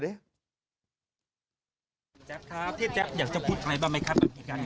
แจ๊คครับพี่แจ๊คอยากจะพูดอะไรบ้างไหมครับ